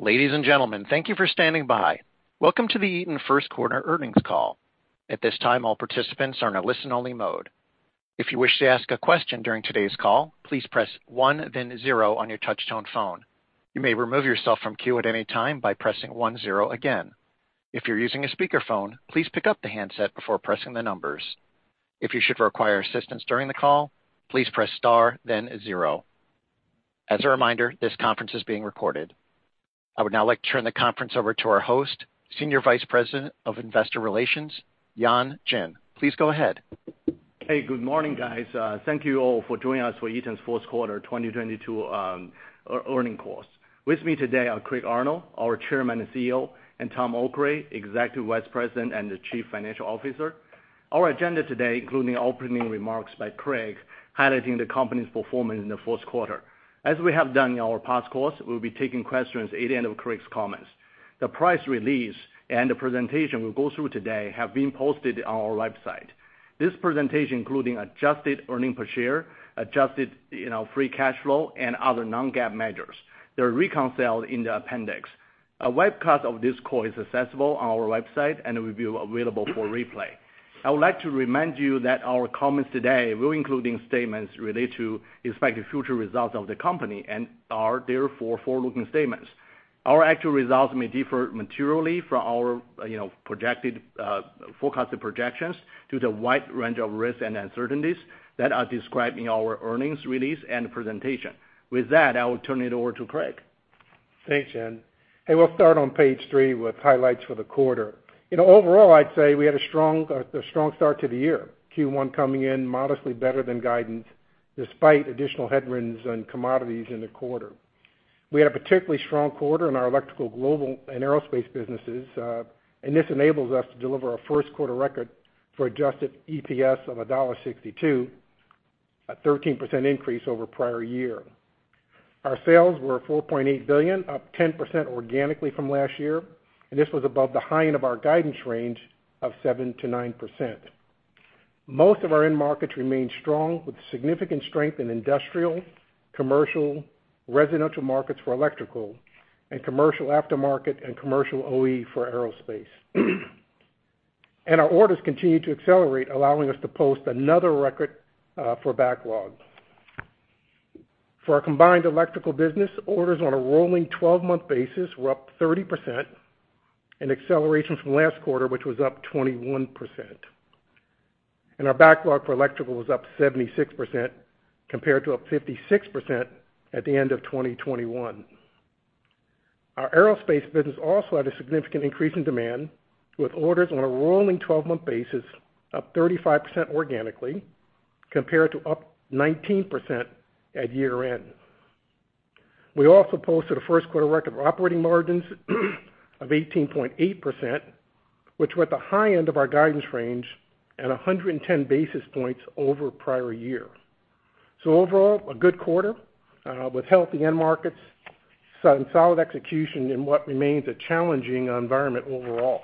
Ladies and gentlemen, thank you for standing by. Welcome to the Eaton First Quarter Earnings call. At this time, all participants are in a listen-only mode. If you wish to ask a question during today's call, please press one then zero on your touchtone phone. You may remove yourself from queue at any time by pressing one zero again. If you're using a speakerphone, please pick up the handset before pressing the numbers. If you should require assistance during the call, please press star then zero. As a reminder, this conference is being recorded. I would now like to turn the conference over to our host, Senior Vice President of Investor Relations, Yan Jin. Please go ahead. Hey, good morning, guys. Thank you all for joining us for Eaton's first quarter 2022 earnings call. With me today are Craig Arnold, our Chairman and CEO, and Tom Okray, Executive Vice President and the Chief Financial Officer. Our agenda today, including opening remarks by Craig, highlighting the company's performance in the first quarter. As we have done in our past calls, we'll be taking questions at the end of Craig's comments. The press release and the presentation we'll go through today have been posted on our website. This presentation, including adjusted earnings per share, adjusted, you know, free cash flow, and other non-GAAP measures. They're reconciled in the appendix. A webcast of this call is accessible on our website, and it will be available for replay. I would like to remind you that our comments today will include statements related to expected future results of the company and are therefore forward-looking statements. Our actual results may differ materially from our, you know, projected, forecasted projections due to a wide range of risks and uncertainties that are described in our earnings release and presentation. With that, I will turn it over to Craig. Thanks, Yan. Hey, we'll start on page three with highlights for the quarter. You know, overall, I'd say we had a strong, a strong start to the year. Q1 coming in modestly better than guidance, despite additional headwinds on commodities in the quarter. We had a particularly strong quarter in our Electrical Global and Aerospace businesses, and this enables us to deliver a first quarter record for adjusted EPS of $1.62, a 13% increase over prior year. Our sales were $4.8 billion, up 10% organically from last year, and this was above the high end of our guidance range of 7%-9%. Most of our end markets remained strong, with significant strength in industrial, commercial, residential markets for electrical, and commercial aftermarket and commercial OEM for Aerospace. Our orders continued to accelerate, allowing us to post another record for backlog. For our combined electrical business, orders on a rolling twelve-month basis were up 30%, an acceleration from last quarter, which was up 21%. Our backlog for electrical was up 76% compared to up 56% at the end of 2021. Our Aerospace business also had a significant increase in demand, with orders on a rolling twelve-month basis up 35% organically compared to up 19% at year-end. We also posted a first quarter record of operating margins of 18.8%, which were at the high end of our guidance range and 110 basis points over prior year. Overall, a good quarter with healthy end markets, solid execution in what remains a challenging environment overall.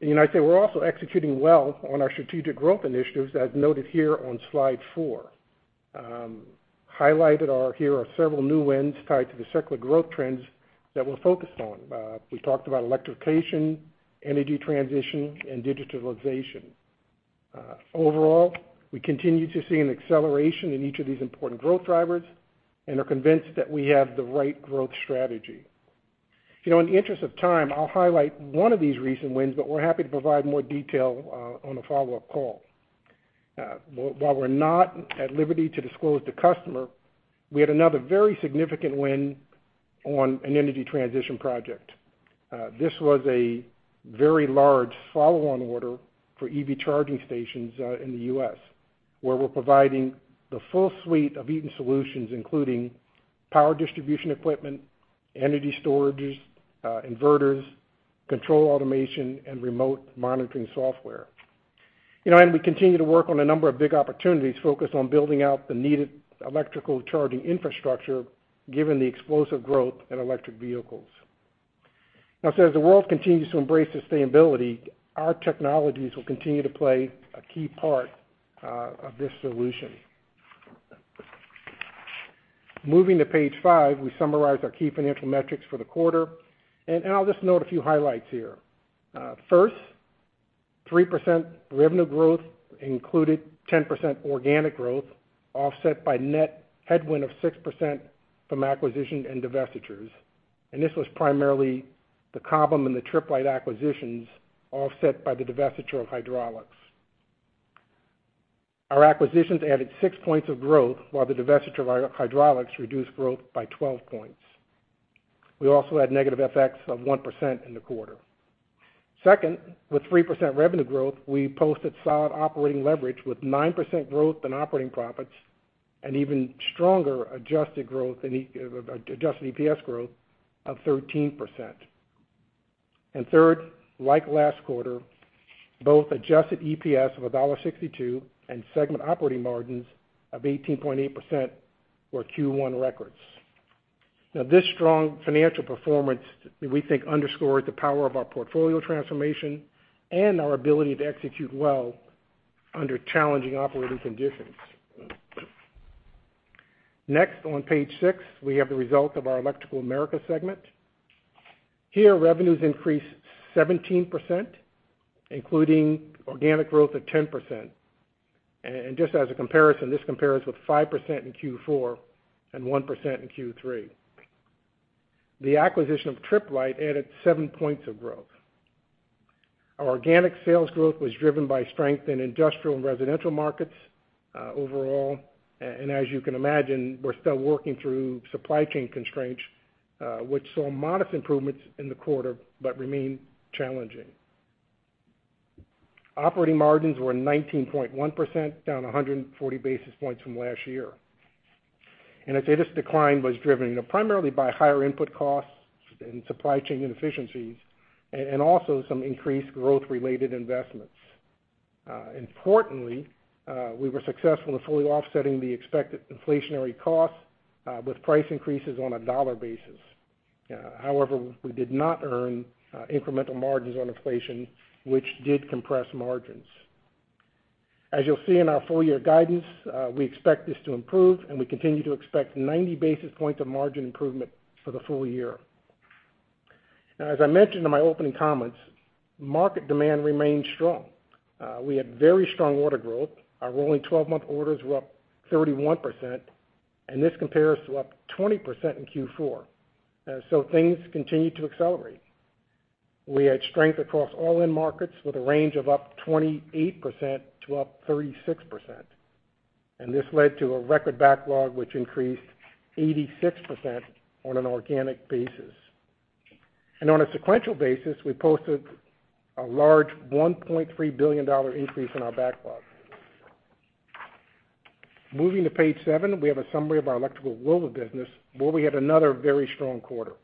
You know, I'd say we're also executing well on our strategic growth initiatives, as noted here on slide four. Here are several new wins tied to the cyclic growth trends that we're focused on. We talked about electrification, energy transition, and digitalization. Overall, we continue to see an acceleration in each of these important growth drivers and are convinced that we have the right growth strategy. You know, in the interest of time, I'll highlight one of these recent wins, but we're happy to provide more detail on the follow-up call. While we're not at liberty to disclose the customer, we had another very significant win on an energy transition project. This was a very large follow-on order for EV charging stations in the U.S., where we're providing the full suite of Eaton solutions, including power distribution equipment, energy storages, inverters, control automation, and remote monitoring software. You know, we continue to work on a number of big opportunities focused on building out the needed electrical charging infrastructure given the explosive growth in electric vehicles. As the world continues to embrace sustainability, our technologies will continue to play a key part of this solution. Moving to page five, we summarize our key financial metrics for the quarter, and I'll just note a few highlights here. First, 3% revenue growth included 10% organic growth, offset by net headwind of 6% from acquisition and divestitures, and this was primarily the Cobham and the Tripp Lite acquisitions, offset by the divestiture of Hydraulics. Our acquisitions added six points of growth, while the divestiture of Hydraulics reduced growth by 12 points. We also had negative FX of 1% in the quarter. Second, with 3% revenue growth, we posted solid operating leverage with 9% growth in operating profits and even stronger adjusted growth in adjusted EPS growth of 13%. Third, like last quarter, both adjusted EPS of $1.62 and segment operating margins of 18.8% were Q1 records. Now this strong financial performance we think underscores the power of our portfolio transformation and our ability to execute well under challenging operating conditions. Next on page six, we have the result of our Electrical Americas segment. Here, revenues increased 17%, including organic growth of 10%. Just as a comparison, this compares with 5% in Q4 and 1% in Q3. The acquisition of Tripp Lite added seven points of growth. Our organic sales growth was driven by strength in industrial and residential markets, overall. As you can imagine, we're still working through supply chain constraints, which saw modest improvements in the quarter, but remain challenging. Operating margins were 19.1%, down 140 basis points from last year. I'd say this decline was driven primarily by higher input costs and supply chain inefficiencies and also some increased growth-related investments. Importantly, we were successful in fully offsetting the expected inflationary costs with price increases on a dollar basis. However, we did not earn incremental margins on inflation, which did compress margins. As you'll see in our full-year guidance, we expect this to improve, and we continue to expect 90 basis points of margin improvement for the full year. Now, as I mentioned in my opening comments, market demand remains strong. We had very strong order growth. Our rolling twelve-month orders were up 31%, and this compares to up 20% in Q4. Things continue to accelerate. We had strength across all end markets with a range of up 28% to up 36%. This led to a record backlog, which increased 86% on an organic basis. On a sequential basis, we posted a large $1.3 billion increase in our backlog. Moving to page seven, we have a summary of our Electrical Global business, where we had another very strong quarter.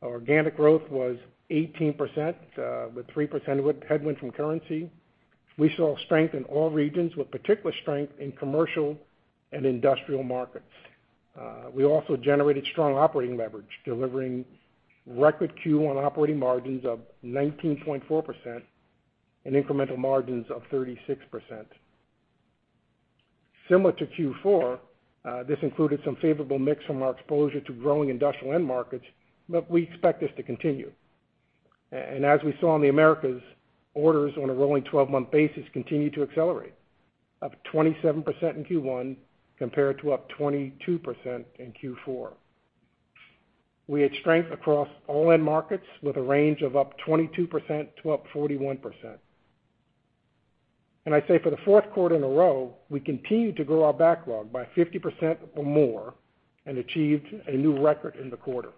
Our organic growth was 18%, with 3% headwind from currency. We saw strength in all regions, with particular strength in commercial and industrial markets. We also generated strong operating leverage, delivering record Q1 operating margins of 19.4% and incremental margins of 36%. Similar to Q4, this included some favorable mix from our exposure to growing industrial end markets, but we expect this to continue. As we saw in the Americas, orders on a rolling twelve-month basis continued to accelerate, up 27% in Q1 compared to up 22% in Q4. We had strength across all end markets with a range of up 22% to up 41%. I'd say for the fourth quarter in a row, we continued to grow our backlog by 50% or more and achieved a new record in the quarter.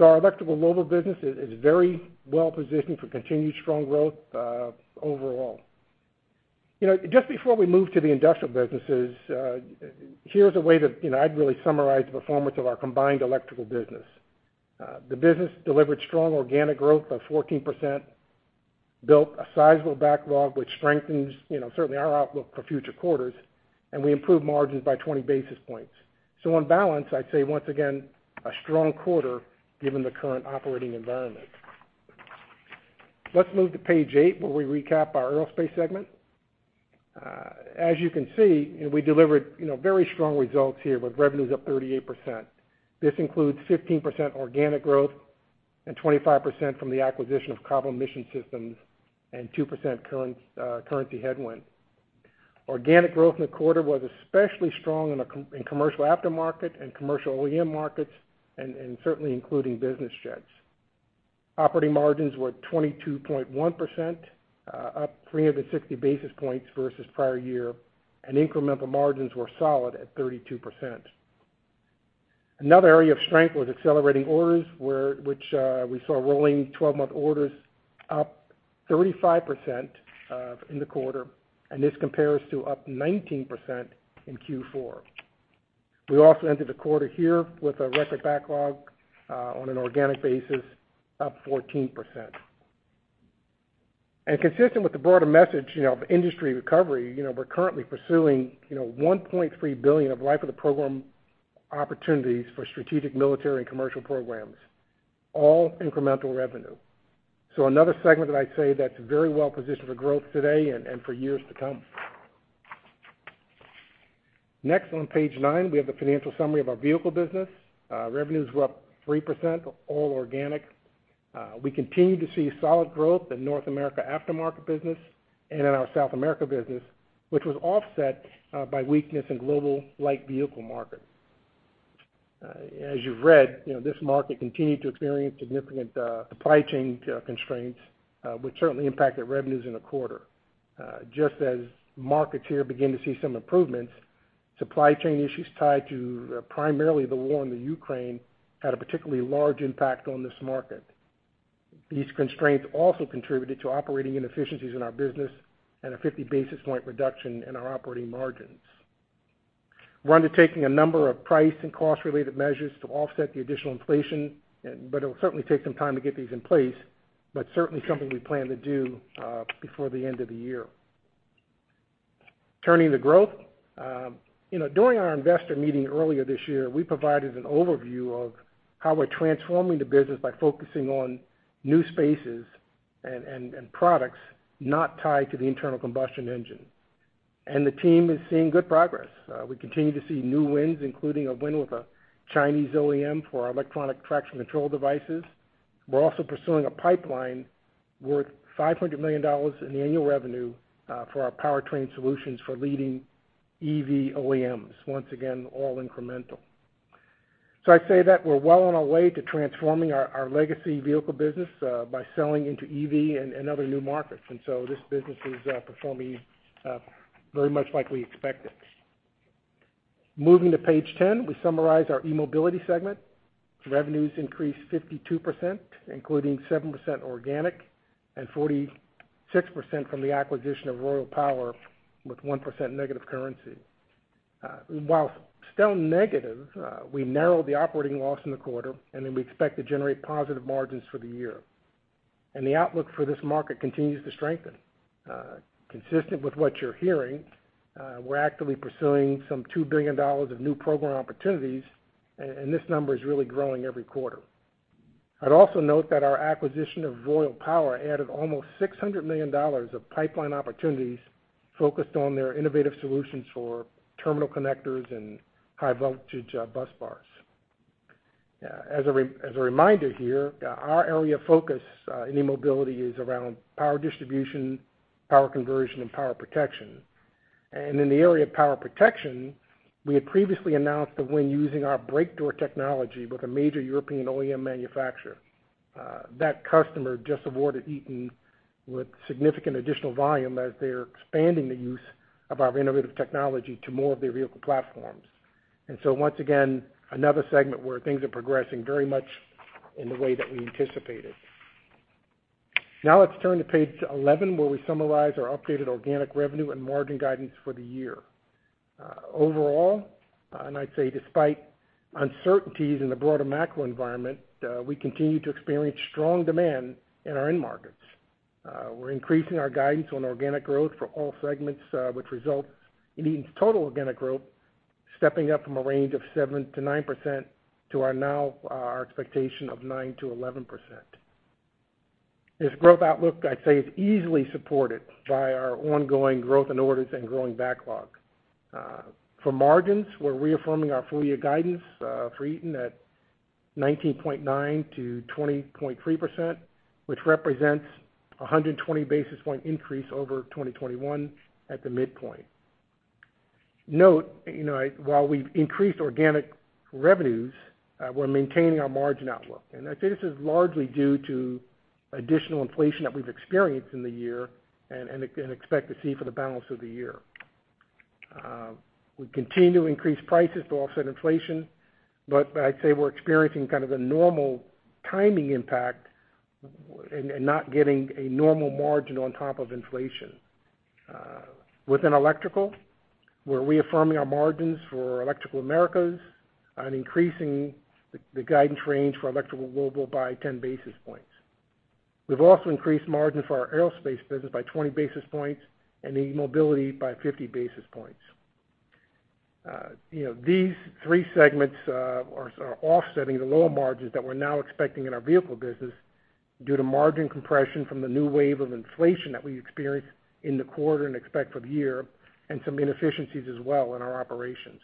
Our Electrical Global business is very well positioned for continued strong growth overall. You know, just before we move to the industrial businesses, here's a way that, you know, I'd really summarize the performance of our combined electrical business. The business delivered strong organic growth of 14%, built a sizable backlog, which strengthens, you know, certainly our outlook for future quarters, and we improved margins by 20 basis points. On balance, I'd say once again, a strong quarter given the current operating environment. Let's move to page eight, where we recap our Aerospace segment. As you can see, you know, we delivered, you know, very strong results here with revenues up 38%. This includes 15% organic growth and 25% from the acquisition of Cobham Mission Systems and 2% currency headwind. Organic growth in the quarter was especially strong in commercial aftermarket and commercial OEM markets and certainly including business jets. Operating margins were 22.1%, up 360 basis points versus prior year, and incremental margins were solid at 32%. Another area of strength was accelerating orders, which we saw rolling twelve-month orders up 35% in the quarter, and this compares to up 19% in Q4. We also entered the quarter here with a record backlog on an organic basis, up 14%. Consistent with the broader message, you know, of industry recovery, you know, we're currently pursuing $1.3 billion of life of the program opportunities for strategic military and commercial programs, all incremental revenue. Another segment that I'd say that's very well positioned for growth today and for years to come. Next on page nine, we have the financial summary of our Vehicle business. Revenues were up 3%, all organic. We continue to see solid growth in North America aftermarket business and in our South America business, which was offset by weakness in global light vehicle market. As you've read, you know, this market continued to experience significant supply chain constraints, which certainly impacted revenues in the quarter. Just as markets here begin to see some improvements, supply chain issues tied to primarily the war in Ukraine had a particularly large impact on this market. These constraints also contributed to operating inefficiencies in our business and a 50 basis point reduction in our operating margins. We're undertaking a number of price and cost-related measures to offset the additional inflation, but it'll certainly take some time to get these in place, but certainly something we plan to do before the end of the year. Turning to growth. You know, during our investor meeting earlier this year, we provided an overview of how we're transforming the business by focusing on new spaces and products not tied to the internal combustion engine. The team is seeing good progress. We continue to see new wins, including a win with a Chinese OEM for our electronic transmission control devices. We're also pursuing a pipeline worth $500 million in annual revenue for our powertrain solutions for leading EV OEMs. Once again, all incremental. I'd say that we're well on our way to transforming our legacy vehicle business by selling into EV and other new markets. This business is performing very much like we expected. Moving to page 10, we summarize our eMobility segment. Revenues increased 52%, including 7% organic and 46% from the acquisition of Royal Power, with 1% negative currency. While still negative, we narrowed the operating loss in the quarter, and then we expect to generate positive margins for the year. The outlook for this market continues to strengthen. Consistent with what you're hearing, we're actively pursuing some $2 billion of new program opportunities, and this number is really growing every quarter. I'd also note that our acquisition of Royal Power Solutions added almost $600 million of pipeline opportunities focused on their innovative solutions for terminal connectors and high-voltage busbars. As a reminder here, our area of focus in eMobility is around power distribution, power conversion, and power protection. In the area of power protection, we had previously announced the win using our Breaktor technology with a major European OEM manufacturer. That customer just awarded Eaton with significant additional volume as they are expanding the use of our innovative technology to more of their vehicle platforms. Once again, another segment where things are progressing very much in the way that we anticipated. Now let's turn to page 11, where we summarize our updated organic revenue and margin guidance for the year. Overall, I'd say despite uncertainties in the broader macro environment, we continue to experience strong demand in our end markets. We're increasing our guidance on organic growth for all segments, which results in Eaton's total organic growth stepping up from a range of 7%-9% to our now, our expectation of 9%-11%. This growth outlook, I'd say, is easily supported by our ongoing growth in orders and growing backlog. For margins, we're reaffirming our full year guidance for Eaton at 19.9%-20.3%, which represents a 120 basis point increase over 2021 at the midpoint. Note, you know, while we've increased organic revenues, we're maintaining our margin outlook. I'd say this is largely due to additional inflation that we've experienced in the year and expect to see for the balance of the year. We continue to increase prices to offset inflation, but I'd say we're experiencing kind of a normal timing impact and not getting a normal margin on top of inflation. Within Electrical, we're reaffirming our margins for Electrical Americas and increasing the guidance range for Electrical Global by 10 basis points. We've also increased margin for our Aerospace business by 20 basis points and eMobility by 50 basis points. You know, these three segments are offsetting the lower margins that we're now expecting in our Vehicle business due to margin compression from the new wave of inflation that we experienced in the quarter and expect for the year, and some inefficiencies as well in our operations.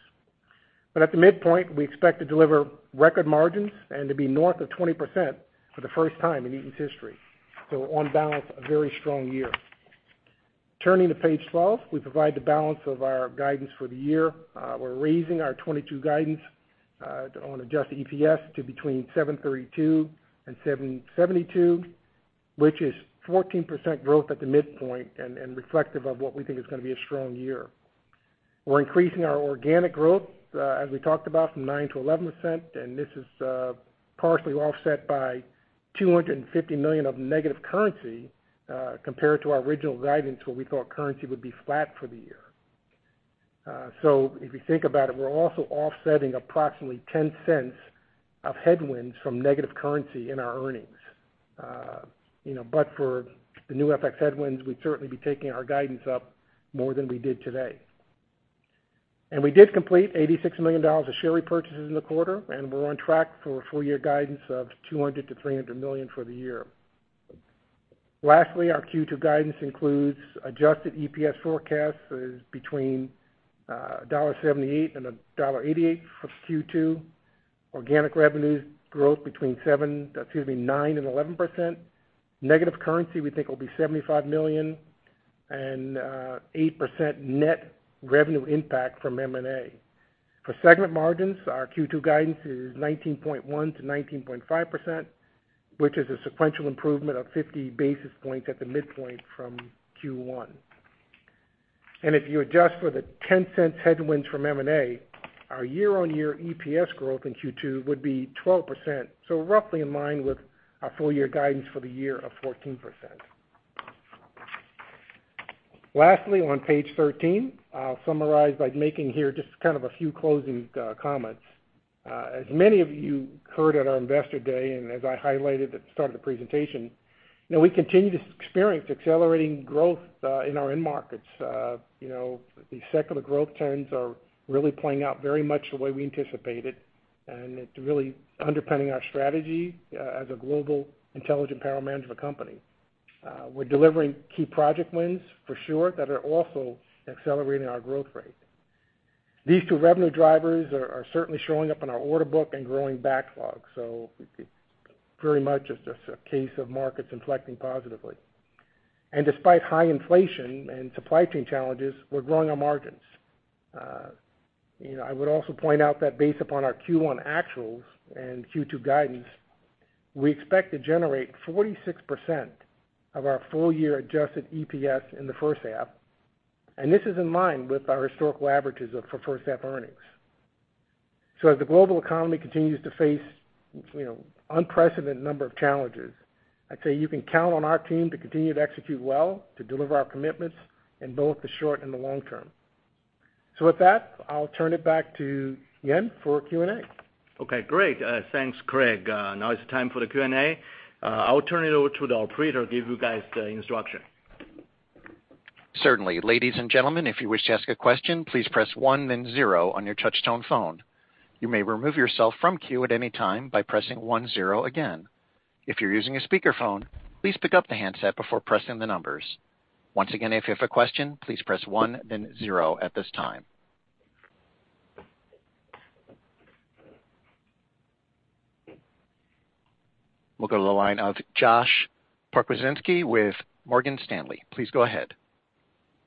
At the midpoint, we expect to deliver record margins and to be north of 20% for the first time in Eaton's history. On balance, a very strong year. Turning to page 12, we provide the balance of our guidance for the year. We're raising our 2022 guidance on adjusted EPS to between $7.32 and $7.72, which is 14% growth at the midpoint and reflective of what we think is gonna be a strong year. We're increasing our organic growth, as we talked about, from 9%-11%, and this is partially offset by $250 million of negative currency, compared to our original guidance, where we thought currency would be flat for the year. If you think about it, we're also offsetting approximately $0.10 of headwinds from negative currency in our earnings. You know, for the new FX headwinds, we'd certainly be taking our guidance up more than we did today. We did complete $86 million of share repurchases in the quarter, and we're on track for full year guidance of $200 million-$300 million for the year. Lastly, our Q2 guidance includes adjusted EPS forecast is between $1.78 and $1.88 for Q2. Organic revenue growth between 9% and 11%. Negative currency, we think, will be $75 million, and 8% net revenue impact from M&A. For segment margins, our Q2 guidance is 19.1%-19.5%, which is a sequential improvement of 50 basis points at the midpoint from Q1. If you adjust for the $0.10 headwinds from M&A, our year-on-year EPS growth in Q2 would be 12%. Roughly in line with our full year guidance for the year of 14%. Lastly, on page 13, I'll summarize by making here just kind of a few closing comments. As many of you heard at our Investor Day, and as I highlighted at the start of the presentation. Now we continue to experience accelerating growth in our end markets. You know, the secular growth trends are really playing out very much the way we anticipated, and it's really underpinning our strategy as a global intelligent power management company. We're delivering key project wins for sure that are also accelerating our growth rate. These two revenue drivers are certainly showing up in our order book and growing backlogs. Pretty much it's just a case of markets inflecting positively. Despite high inflation and supply chain challenges, we're growing our margins. You know, I would also point out that based upon our Q1 actuals and Q2 guidance, we expect to generate 46% of our full year adjusted EPS in the first half, and this is in line with our historical averages of, for first half earnings. As the global economy continues to face, you know, unprecedented number of challenges, I'd say you can count on our team to continue to execute well, to deliver our commitments in both the short and the long term. With that, I'll turn it back to Yan for Q&A. Okay, great. Thanks, Craig. Now it's time for the Q&A. I'll turn it over to the operator, give you guys the instruction. Certainly. Ladies and gentlemen, if you wish to ask a question, please press one then zero on your touch tone phone. You may remove yourself from queue at any time by pressing one, zero again. If you're using a speaker phone, please pick up the handset before pressing the numbers. Once again, if you have a question, please press one then zero at this time. We'll go to the line of Josh Pokrzywinski with Morgan Stanley. Please go ahead.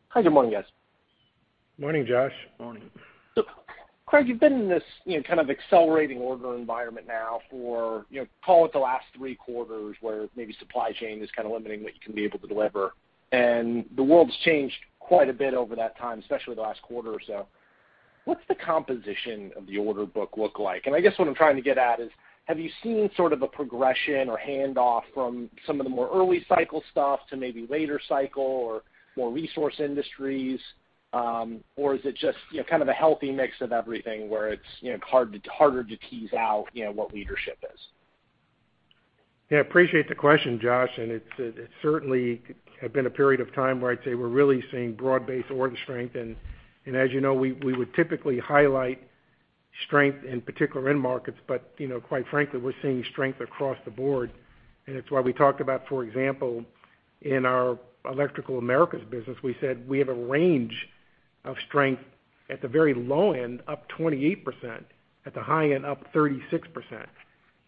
Hi, good morning, guys. Morning, Josh. Morning. Look, Craig, you've been in this, you know, kind of accelerating order environment now for, you know, call it the last three quarters, where maybe supply chain is kinda limiting what you can be able to deliver. The world's changed quite a bit over that time, especially the last quarter or so. What's the composition of the order book look like? I guess what I'm trying to get at is, have you seen sort of a progression or hand off from some of the more early cycle stuff to maybe later cycle or more resource industries? Or is it just, you know, kind of a healthy mix of everything where it's, you know, hard to, harder to tease out, you know, what leadership is? Yeah, I appreciate the question, Josh. It's certainly has been a period of time where I'd say we're really seeing broad-based order strength. As you know, we would typically highlight strength in particular end markets, but you know, quite frankly, we're seeing strength across the board. It's why we talked about, for example, in our Electrical Americas business, we said we have a range of strength at the very low end, up 28%, at the high end, up 36%.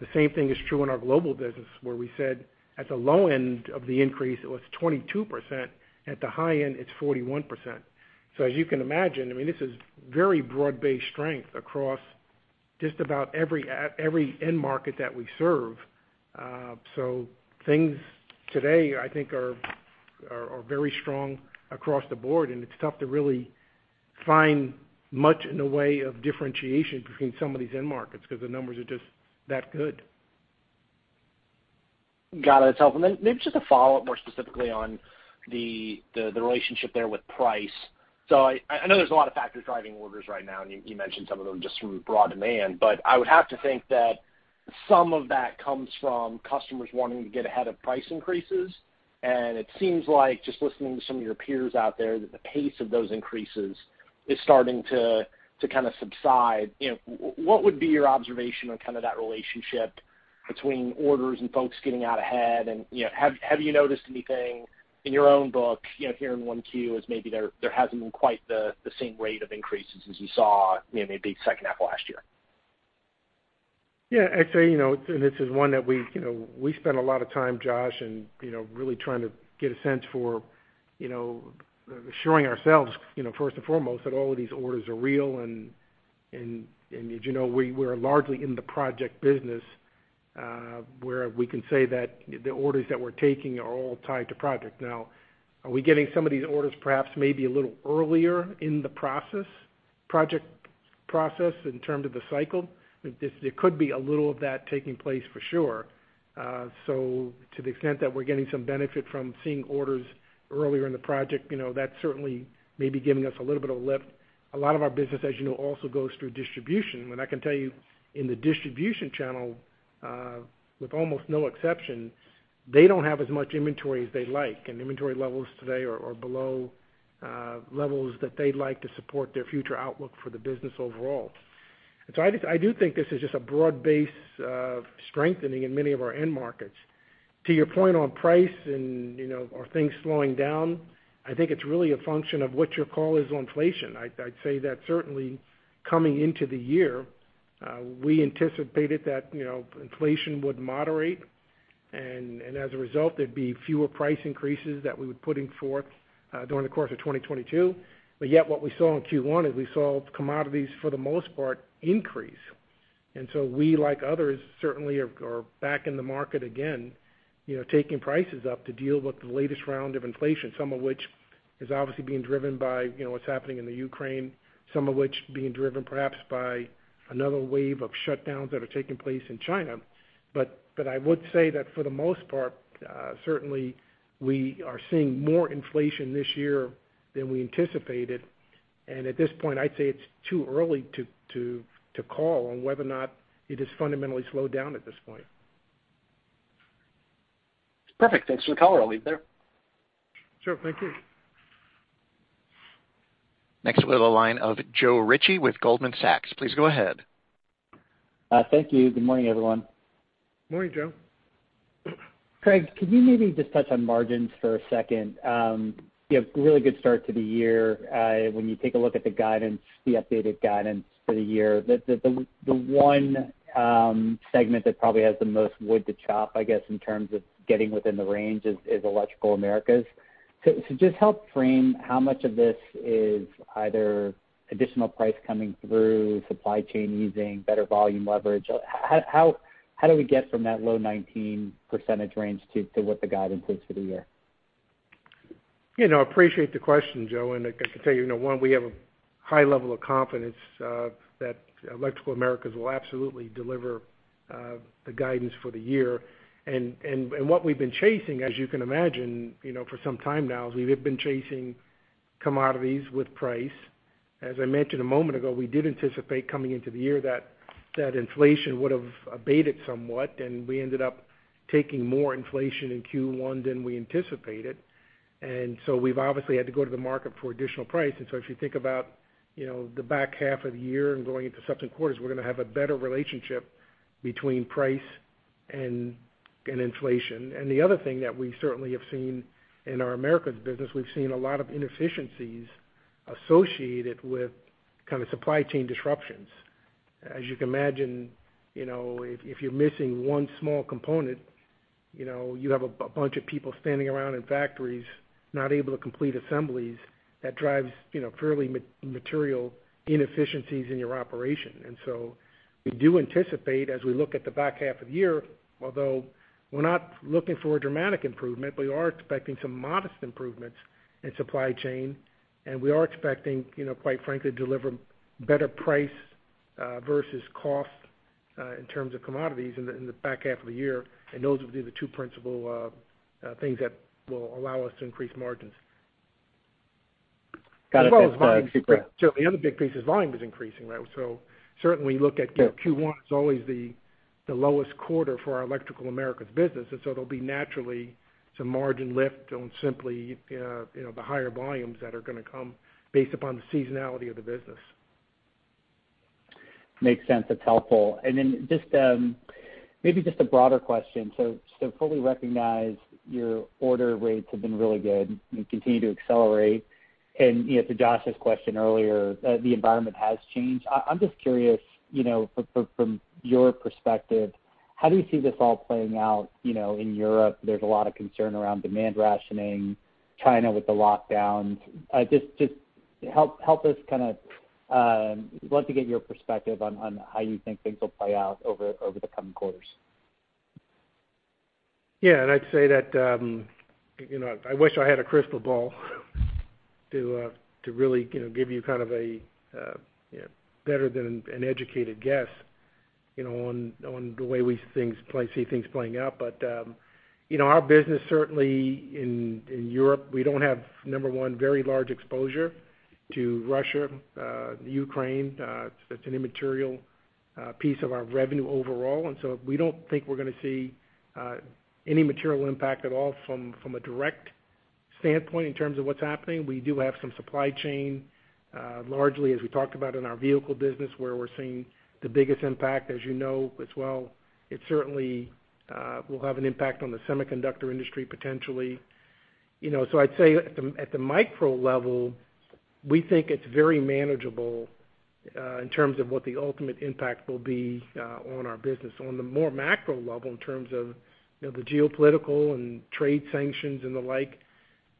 The same thing is true in our Electrical Global business where we said at the low end of the increase, it was 22%, at the high end, it's 41%. As you can imagine, I mean, this is very broad-based strength across just about every end market that we serve. Things today, I think are very strong across the board, and it's tough to really find much in the way of differentiation between some of these end markets 'cause the numbers are just that good. Got it. That's helpful. Maybe just a follow-up more specifically on the relationship there with price. I know there's a lot of factors driving orders right now, and you mentioned some of them just from broad demand. I would have to think that some of that comes from customers wanting to get ahead of price increases. It seems like, just listening to some of your peers out there, that the pace of those increases is starting to kinda subside. You know, what would be your observation on kind of that relationship between orders and folks getting out ahead? You know, have you noticed anything in your own book, you know, here in one Q, as maybe there hasn't been quite the same rate of increases as you saw, you know, maybe second half last year? Yeah. I'd say, you know, and this is one that we, you know, spend a lot of time, Josh, and, you know, really trying to get a sense for, you know, assuring ourselves, you know, first and foremost, that all of these orders are real. As you know, we're largely in the project business, where we can say that the orders that we're taking are all tied to project. Now, are we getting some of these orders perhaps maybe a little earlier in the project process in terms of the cycle? It could be a little of that taking place for sure. To the extent that we're getting some benefit from seeing orders earlier in the project, you know, that certainly may be giving us a little bit of a lift. A lot of our business, as you know, also goes through distribution. I can tell you in the distribution channel, with almost no exception, they don't have as much inventory as they like, and inventory levels today are below levels that they'd like to support their future outlook for the business overall. I just do think this is just a broad-based strengthening in many of our end markets. To your point on price and are things slowing down, I think it's really a function of what your call is on inflation. I'd say that certainly coming into the year, we anticipated that inflation would moderate, and as a result, there'd be fewer price increases that we would putting forth during the course of 2022. What we saw in Q1 is we saw commodities, for the most part, increase. We, like others, certainly are back in the market again, you know, taking prices up to deal with the latest round of inflation. Some of which is obviously being driven by, you know, what's happening in Ukraine, some of which being driven perhaps by another wave of shutdowns that are taking place in China. I would say that for the most part, certainly we are seeing more inflation this year than we anticipated. At this point, I'd say it's too early to call on whether or not it has fundamentally slowed down at this point. Perfect. Thanks for the color. I'll leave it there. Sure. Thank you. Next, we have the line of Joe Ritchie with Goldman Sachs. Please go ahead. Thank you. Good morning, everyone. Morning, Joe. Craig, could you maybe just touch on margins for a second? You have a really good start to the year. When you take a look at the guidance, the updated guidance for the year, the one segment that probably has the most wood to chop, I guess, in terms of getting within the range is Electrical Americas. So just help frame how much of this is either additional price coming through, supply chain easing, better volume leverage. How do we get from that low 19% range to what the guidance is for the year? You know, I appreciate the question, Joe. I can tell you know, one, we have a high level of confidence that Electrical Americas will absolutely deliver the guidance for the year. What we've been chasing, as you can imagine, you know, for some time now, is we have been chasing commodities with price. As I mentioned a moment ago, we did anticipate coming into the year that inflation would have abated somewhat, and we ended up taking more inflation in Q1 than we anticipated. We've obviously had to go to the market for additional price. If you think about, you know, the back half of the year and going into subsequent quarters, we're gonna have a better relationship between price and inflation. The other thing that we certainly have seen in our Americas business, we've seen a lot of inefficiencies associated with kind of supply chain disruptions. As you can imagine, you know, if you're missing one small component, you know, you have a bunch of people standing around in factories not able to complete assemblies. That drives, you know, fairly material inefficiencies in your operation. We do anticipate as we look at the back half of the year, although we're not looking for a dramatic improvement, we are expecting some modest improvements in supply chain. We are expecting, you know, quite frankly, to deliver better price versus cost in terms of commodities in the back half of the year. Those will be the two principal things that will allow us to increase margins. Got it. Thanks. As well as volumes. Certainly, the other big piece is volume is increasing, right? Certainly, you look at, you know, Q1 is always the lowest quarter for our Electrical Americas business. There'll be naturally some margin lift on simply, you know, the higher volumes that are gonna come based upon the seasonality of the business. Makes sense. That's helpful. Just, maybe just a broader question. Fully recognize your order rates have been really good and continue to accelerate. You know, to Josh's question earlier, the environment has changed. I'm just curious, you know, from your perspective, how do you see this all playing out, you know, in Europe? There's a lot of concern around demand rationing, China with the lockdowns. Just help us kind of love to get your perspective on how you think things will play out over the coming quarters. Yeah. I'd say that, you know, I wish I had a crystal ball to really, you know, give you kind of a better than an educated guess, you know, on the way we see things playing out. You know, our business certainly in Europe, we don't have, number one, very large exposure to Russia, Ukraine. That's an immaterial piece of our revenue overall. We don't think we're gonna see any material impact at all from a direct standpoint in terms of what's happening. We do have some supply chain, largely as we talked about in our vehicle business, where we're seeing the biggest impact, as you know as well. It certainly will have an impact on the semiconductor industry potentially. You know, I'd say at the micro level, we think it's very manageable in terms of what the ultimate impact will be on our business. On the more macro level in terms of, you know, the geopolitical and trade sanctions and the like,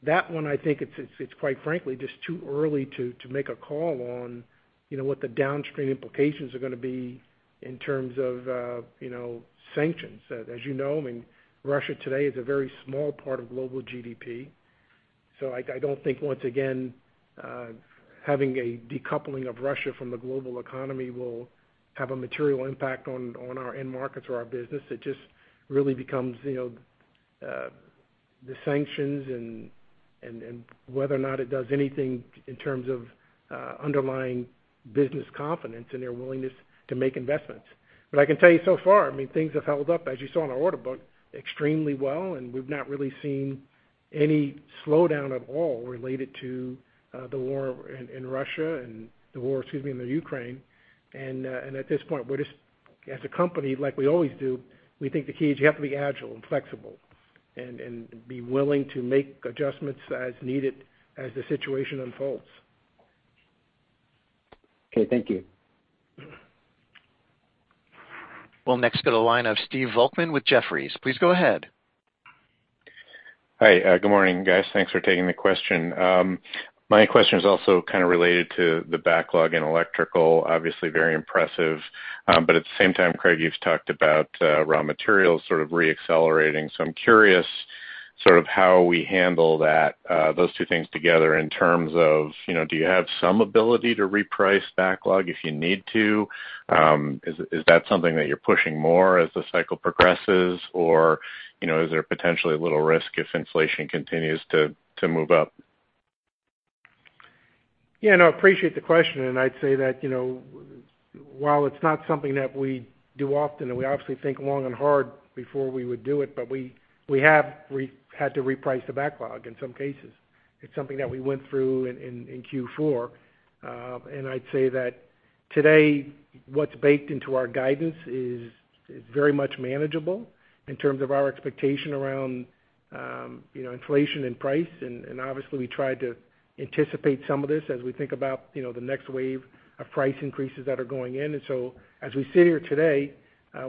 that one I think it's quite frankly just too early to make a call on, you know, what the downstream implications are gonna be in terms of, you know, sanctions. As you know, I mean, Russia today is a very small part of global GDP. I don't think once again having a decoupling of Russia from the global economy will have a material impact on our end markets or our business. It just really becomes, you know, the sanctions and whether or not it does anything in terms of underlying business confidence and their willingness to make investments. But I can tell you so far, I mean, things have held up, as you saw in our order book, extremely well, and we've not really seen any slowdown at all related to the war in Russia and the war, excuse me, in the Ukraine. At this point, we're just as a company like we always do, we think the key is you have to be agile and flexible and be willing to make adjustments as needed as the situation unfolds. Okay. Thank you. We'll next go to the line of Steve Volkmann with Jefferies. Please go ahead. Hi. Good morning, guys. Thanks for taking the question. My question is also kind of related to the backlog in Electrical, obviously very impressive. At the same time, Craig, you've talked about raw materials sort of re-accelerating. I'm curious sort of how we handle that, those two things together in terms of, you know, do you have some ability to reprice backlog if you need to? Is that something that you're pushing more as the cycle progresses? Or, you know, is there potentially a little risk if inflation continues to move up? Yeah, no, I appreciate the question, and I'd say that, you know, while it's not something that we do often, and we obviously think long and hard before we would do it, but we have had to reprice the backlog in some cases. It's something that we went through in Q4. I'd say that today, what's baked into our guidance is very much manageable in terms of our expectation around, you know, inflation and price. Obviously, we try to anticipate some of this as we think about, you know, the next wave of price increases that are going in. As we sit here today,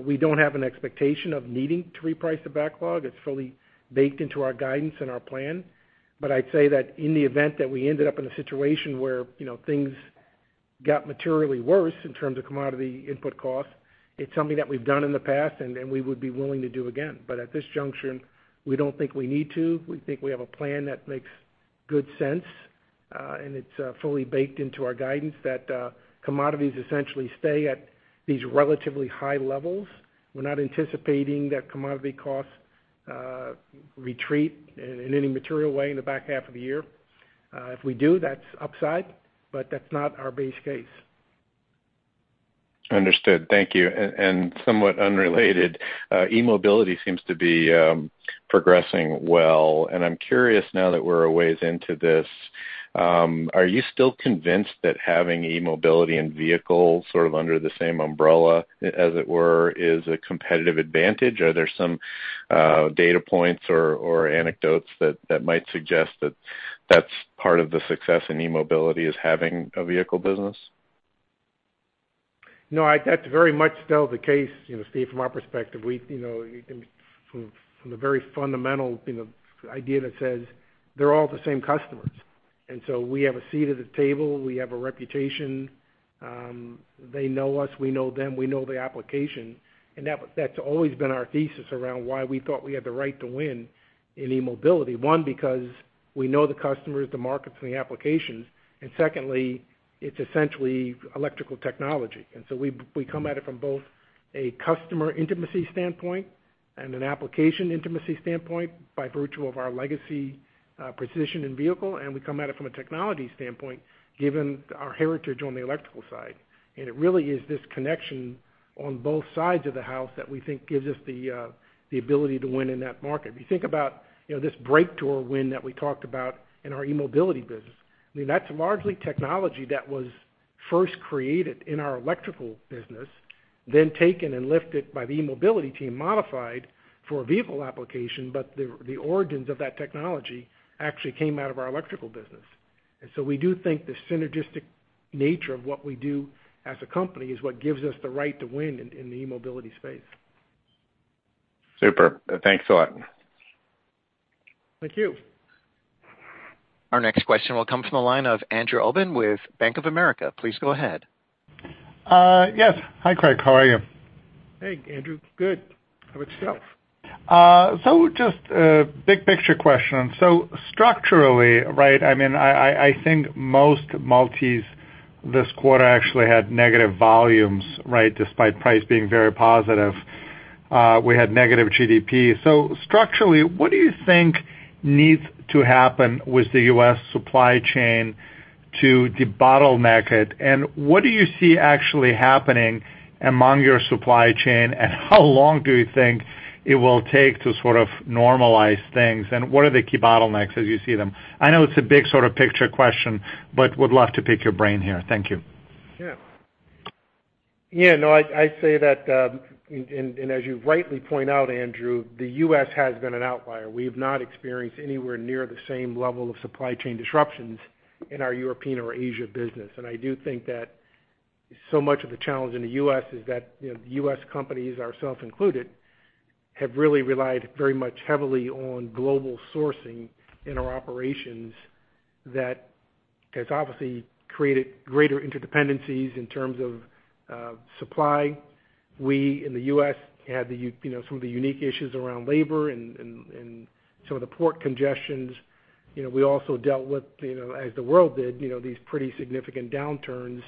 we don't have an expectation of needing to reprice the backlog. It's fully baked into our guidance and our plan. I'd say that in the event that we ended up in a situation where, you know, things got materially worse in terms of commodity input costs, it's something that we've done in the past and we would be willing to do again. At this junction, we don't think we need to. We think we have a plan that makes good sense, and it's fully baked into our guidance that commodities essentially stay at these relatively high levels. We're not anticipating that commodity costs retreat in any material way in the back half of the year. If we do, that's upside, but that's not our base case. Understood. Thank you. Somewhat unrelated, eMobility seems to be progressing well, and I'm curious now that we're a ways into this, are you still convinced that having eMobility and Vehicle sort of under the same umbrella, as it were, is a competitive advantage? Are there some data points or anecdotes that might suggest that that's part of the success in eMobility, is having a Vehicle business? No, that's very much still the case, you know, Steve, from our perspective. We, you know, from the very fundamental, you know, idea that says they're all the same customers. We have a seat at the table, we have a reputation, they know us, we know them, we know the application. That's always been our thesis around why we thought we had the right to win in eMobility. One, because we know the customers, the markets, and the applications, and secondly, it's essentially electrical technology. We come at it from both a customer intimacy standpoint and an application intimacy standpoint by virtue of our legacy precision in Vehicle, and we come at it from a technology standpoint, given our heritage on the electrical side. It really is this connection on both sides of the house that we think gives us the ability to win in that market. If you think about, you know, this breakthrough or win that we talked about in our eMobility business, I mean, that's largely technology that was first created in our Electrical business, then taken and lifted by the eMobility team, modified for a Vehicle application, but the origins of that technology actually came out of our Electrical business. We do think the synergistic nature of what we do as a company is what gives us the right to win in the eMobility space. Super. Thanks a lot. Thank you. Our next question will come from the line of Andrew Obin with Bank of America. Please go ahead. Yes. Hi, Craig. How are you? Hey, Andrew. Good. How about yourself? Just a big-picture question. Structurally, right, I mean, I think most multis this quarter actually had negative volumes, right, despite price being very positive. We had negative GDP. Structurally, what do you think needs to happen with the U.S. supply chain to debottleneck it, and what do you see actually happening among your supply chain, and how long do you think it will take to sort of normalize things, and what are the key bottlenecks as you see them? I know it's a big sort of picture question, but would love to pick your brain here. Thank you. Yeah. Yeah, no, I say that, and as you rightly point out, Andrew, the U.S. has been an outlier. We have not experienced anywhere near the same level of supply chain disruptions in our European or Asia business. I do think that so much of the challenge in the U.S. is that, you know, the U.S. companies, ourselves included, have really relied very much heavily on global sourcing in our operations. That has obviously created greater interdependencies in terms of supply. We in the U.S. had, you know, some of the unique issues around labor and some of the port congestions. You know, we also dealt with, you know, as the world did, you know, these pretty significant downturns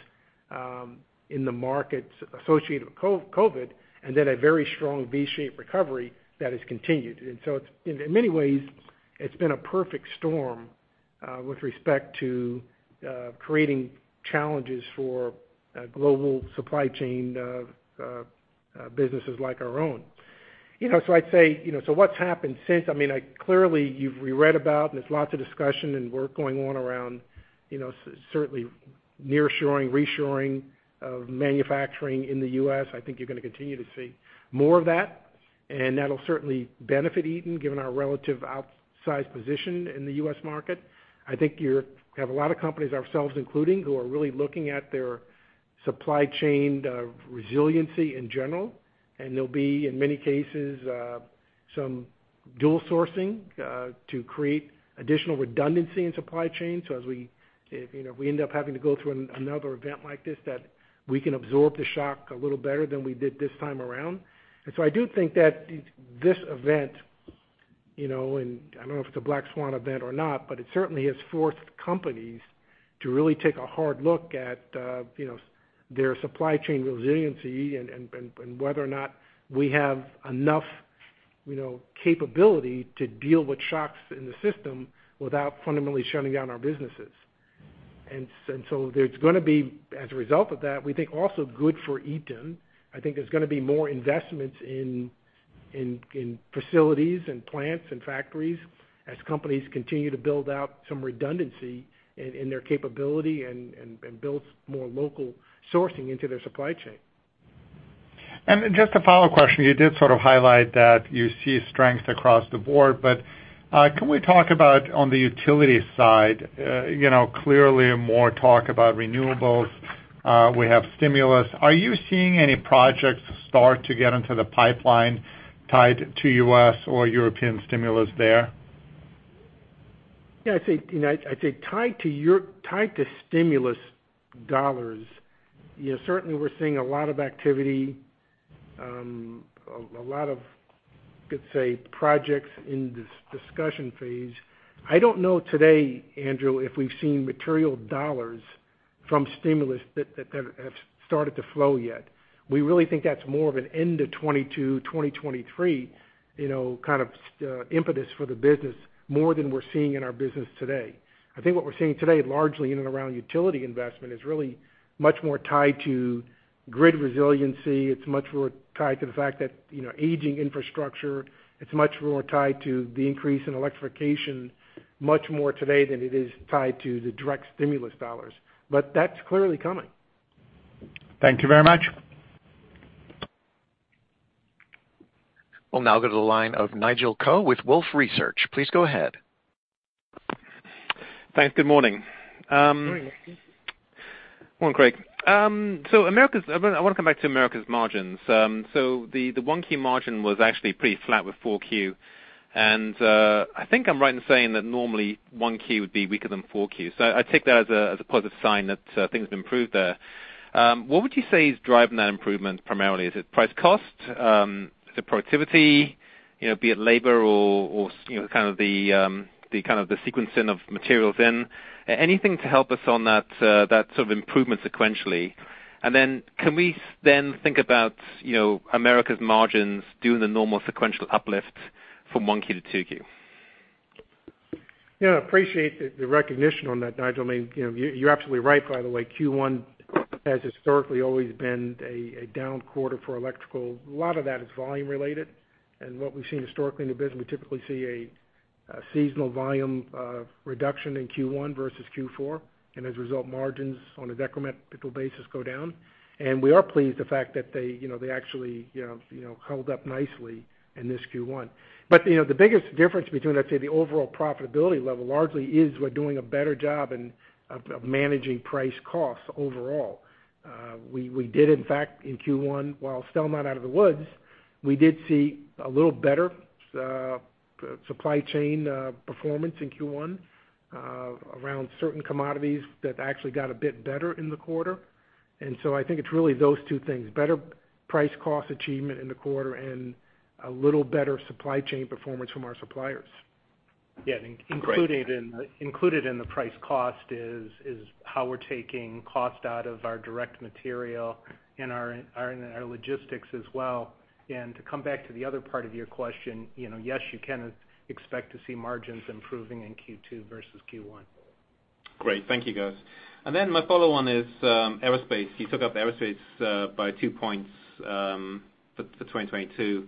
in the markets associated with COVID, and then a very strong V-shaped recovery that has continued. It's, in many ways, it's been a perfect storm with respect to creating challenges for global supply chain businesses like our own. You know, I'd say, you know, what's happened since, I mean, clearly, you've read about, and there's lots of discussion and work going on around, you know, certainly nearshoring, reshoring of manufacturing in the U.S. I think you're gonna continue to see more of that, and that'll certainly benefit Eaton, given our relative outsized position in the U.S. market. I think you have a lot of companies, ourselves including, who are really looking at their supply chain resiliency in general, and there'll be, in many cases, some dual sourcing to create additional redundancy in supply chain. If you know, if we end up having to go through another event like this, that we can absorb the shock a little better than we did this time around. I do think that this event, you know, and I don't know if it's a black swan event or not, but it certainly has forced companies to really take a hard look at, you know, their supply chain resiliency and whether or not we have enough, you know, capability to deal with shocks in the system without fundamentally shutting down our businesses. There's gonna be, as a result of that, we think, also good for Eaton. I think there's gonna be more investments in facilities and plants and factories as companies continue to build out some redundancy in their capability and build more local sourcing into their supply chain. Just a follow question. You did sort of highlight that you see strength across the board, but can we talk about on the utility side, you know, clearly more talk about renewables, we have stimulus. Are you seeing any projects start to get into the pipeline tied to U.S. or European stimulus there? Yeah, I think, you know, I'd say tied to stimulus dollars, you know, certainly we're seeing a lot of activity, a lot of, let's say, projects in this discussion phase. I don't know today, Andrew, if we've seen material dollars from stimulus that have started to flow yet. We really think that's more of an end of 2022, 2023, you know, kind of impetus for the business more than we're seeing in our business today. I think what we're seeing today, largely in and around utility investment, is really much more tied to grid resiliency. It's much more tied to the fact that, you know, aging infrastructure. It's much more tied to the increase in electrification much more today than it is tied to the direct stimulus dollars. But that's clearly coming. Thank you very much. We'll now go to the line of Nigel Coe with Wolfe Research. Please go ahead. Thanks. Good morning. Good morning. Morning, Craig. Americas, I wanna come back to Americas margins. The Q1 margin was actually pretty flat with Q4. I think I'm right in saying that normally Q1 would be weaker than Q4. I take that as a positive sign that things have improved there. What would you say is driving that improvement primarily? Is it price cost? Is it productivity? You know, be it labor or you know kind of the sequencing of materials in. Anything to help us on that sort of improvement sequentially. Can we then think about you know Americas margins doing the normal sequential uplift from Q1 to Q2? Yeah. I appreciate the recognition on that, Nigel. I mean, you know, you're absolutely right, by the way. Q1 has historically always been a down quarter for Electrical. A lot of that is volume related. What we've seen historically in the business, we typically see a seasonal volume reduction in Q1 versus Q4. As a result, margins on a decremental basis go down. We are pleased the fact that they actually held up nicely in this Q1. You know, the biggest difference between, let's say, the overall profitability level largely is we're doing a better job of managing price costs overall. We did, in fact, in Q1, while still not out of the woods, we did see a little better supply chain performance in Q1 around certain commodities that actually got a bit better in the quarter. I think it's really those two things, better price cost achievement in the quarter and a little better supply chain performance from our suppliers. Yeah. Included in the price cost is how we're taking cost out of our direct material and our logistics as well. To come back to the other part of your question, you know, yes, you can expect to see margins improving in Q2 versus Q1. Great. Thank you, guys. Then my follow-on is Aerospace. You took up Aerospace by two points for 2022.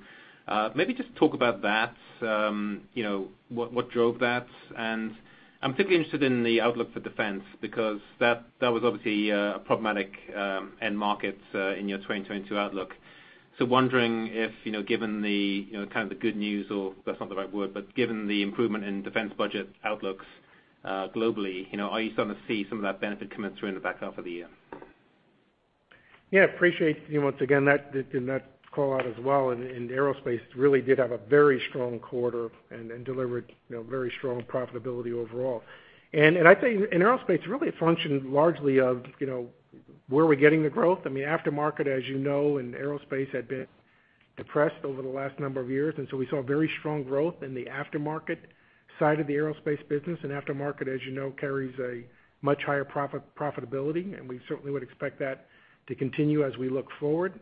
Maybe just talk about that. You know, what drove that? I'm particularly interested in the outlook for defense because that was obviously a problematic end market in your 2022 outlook. Wondering if, you know, given the, you know, kind of the good news or, that's not the right word, but given the improvement in defense budget outlooks globally, you know, are you starting to see some of that benefit coming through in the back half of the year? Yeah, appreciate, you know, once again that and that call out as well. Aerospace really did have a very strong quarter and delivered, you know, very strong profitability overall. I think in Aerospace, really a function largely of, you know, where are we getting the growth. I mean, aftermarket, as you know, in Aerospace had been depressed over the last number of years, and so we saw very strong growth in the aftermarket side of the Aerospace business. Aftermarket, as you know, carries a much higher profitability, and we certainly would expect that to continue as we look forward.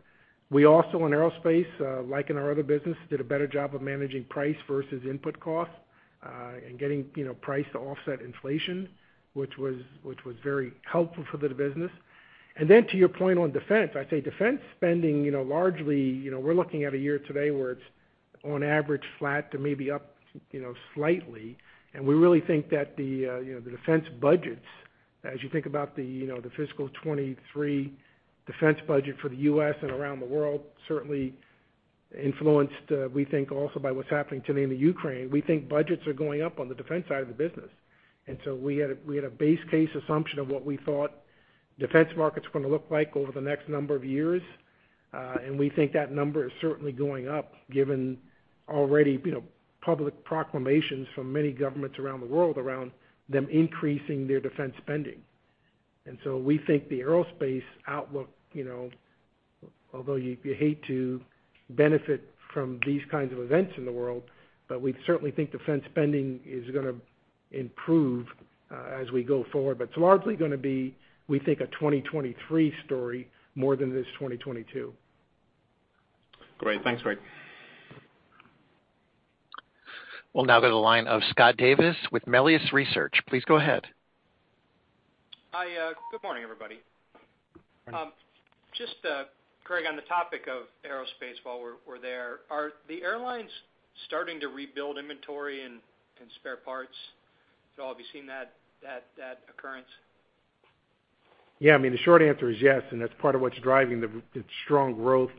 We also, in Aerospace, like in our other business, did a better job of managing price versus input costs and getting, you know, price to offset inflation, which was very helpful for the business. To your point on defense, I'd say defense spending, you know, largely, you know, we're looking at a year today where it's on average flat to maybe up, you know, slightly. We really think that the defense budgets, as you think about the fiscal 2023 defense budget for the U.S. and around the world, certainly influenced, we think also by what's happening today in the Ukraine. We think budgets are going up on the defense side of the business. We had a base case assumption of what we thought defense markets were gonna look like over the next number of years, and we think that number is certainly going up given already, you know, public proclamations from many governments around the world around them increasing their defense spending. We think the Aerospace outlook, you know, although you hate to benefit from these kinds of events in the world, but we certainly think defense spending is gonna improve as we go forward. But it's largely gonna be, we think, a 2023 story more than it is 2022. Great. Thanks, Craig Arnold. We'll now go to the line of Scott Davis with Melius Research. Please go ahead. Hi, good morning, everybody. Morning. Just, Greg, on the topic of aerospace while we're there, are the airlines starting to rebuild inventory and spare parts? Have you seen that occurrence? Yeah. I mean, the short answer is yes, and that's part of what's driving the strong growth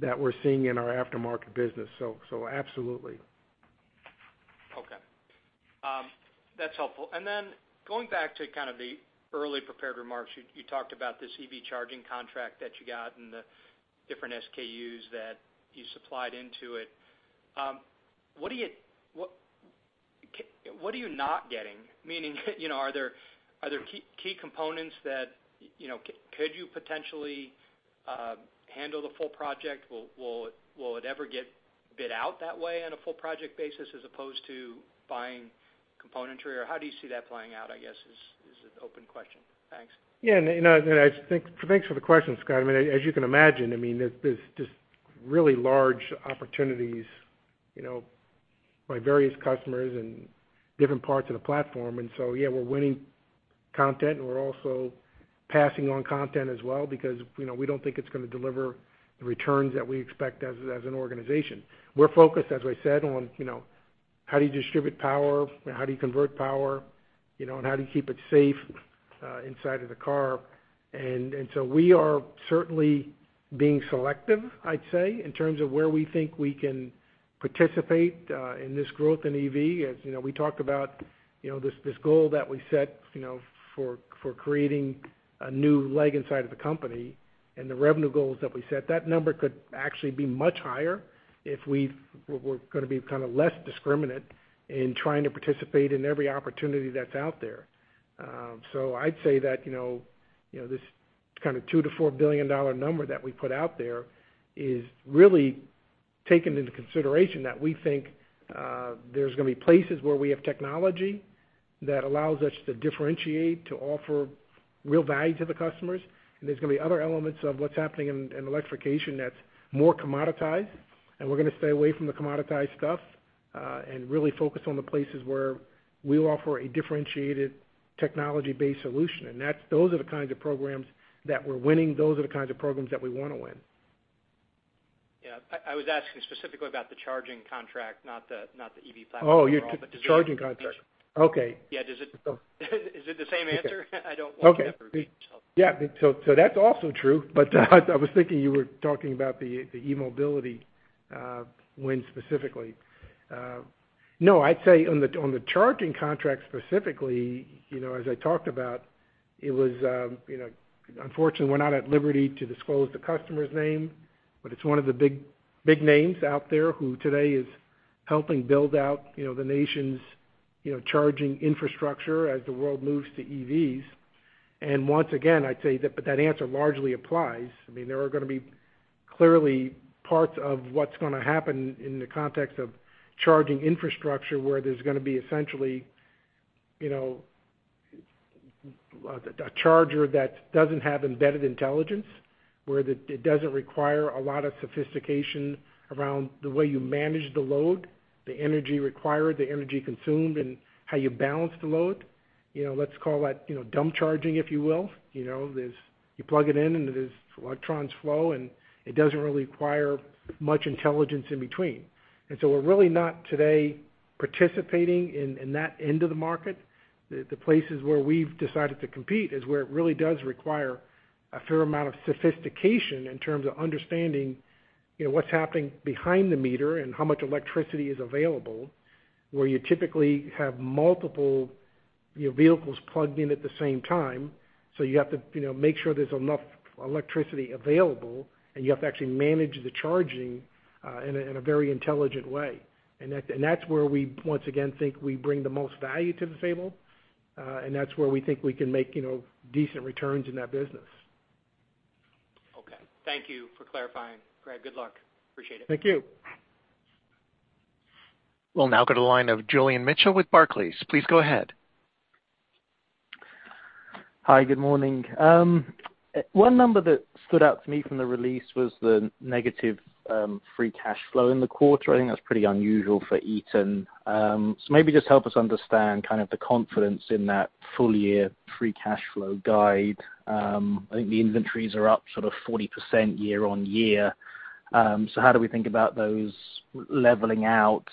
that we're seeing in our aftermarket business. So, absolutely. Okay. That's helpful. Then going back to kind of the early prepared remarks, you talked about this EV charging contract that you got and the different SKUs that you supplied into it. What are you not getting? Meaning, you know, are there key components that, you know, could you potentially handle the full project? Will it ever get bid out that way on a full project basis as opposed to buying componentry? Or how do you see that playing out, I guess, is an open question. Thanks. Yeah. Thanks for the question, Scott. I mean, as you can imagine, I mean, there's just really large opportunities, you know, by various customers and different parts of the platform. Yeah, we're winning content, and we're also passing on content as well because, you know, we don't think it's gonna deliver the returns that we expect as an organization. We're focused, as we said, on, you know, how do you distribute power? How do you convert power? You know, and how do you keep it safe inside of the car? We are certainly being selective, I'd say, in terms of where we think we can participate in this growth in EV. As you know, we talked about, you know, this goal that we set, you know, for creating a new leg inside of the company and the revenue goals that we set. That number could actually be much higher if we're gonna be kind of less discriminate in trying to participate in every opportunity that's out there. So I'd say that, you know, this kind of $2 billion-$4 billion number that we put out there is really taken into consideration that we think there's gonna be places where we have technology that allows us to differentiate, to offer real value to the customers. There's gonna be other elements of what's happening in electrification that's more commoditized, and we're gonna stay away from the commoditized stuff and really focus on the places where we offer a differentiated technology-based solution. Those are the kinds of programs that we're winning. Those are the kinds of programs that we wanna win. Yeah. I was asking specifically about the charging contract, not the EV platform overall. Oh, the charging contract. Do you have any- Okay. Yeah. Is it the same answer? Okay. I don't want to repeat myself. Yeah. That's also true. I was thinking you were talking about the eMobility win specifically. No, I'd say on the charging contract specifically, you know, as I talked about, it was, you know, unfortunately, we're not at liberty to disclose the customer's name, but it's one of the big names out there who today is helping build out, you know, the nation's, you know, charging infrastructure as the world moves to EVs. Once again, I'd say that, but that answer largely applies. I mean, there are gonna be clearly parts of what's gonna happen in the context of charging infrastructure where there's gonna be essentially, you know, a charger that doesn't have embedded intelligence, it doesn't require a lot of sophistication around the way you manage the load, the energy required, the energy consumed, and how you balance the load. You know, let's call that, you know, dumb charging, if you will. You know, you plug it in, and there's electrons flow, and it doesn't really require much intelligence in between. We're really not today participating in that end of the market. The places where we've decided to compete is where it really does require a fair amount of sophistication in terms of understanding, you know, what's happening behind the meter and how much electricity is available, where you typically have multiple, you know, vehicles plugged in at the same time. You have to, you know, make sure there's enough electricity available, and you have to actually manage the charging in a very intelligent way. That's where we once again think we bring the most value to the table, and that's where we think we can make, you know, decent returns in that business. Okay. Thank you for clarifying, Craig Arnold. Good luck. Appreciate it. Thank you. We'll now go to the line of Julian Mitchell with Barclays. Please go ahead. Hi. Good morning. One number that stood out to me from the release was the negative free cash flow in the quarter. I think that's pretty unusual for Eaton. So maybe just help us understand kind of the confidence in that full-year free cash flow guide. I think the inventories are up sort of 40% year-on-year. So how do we think about those leveling out?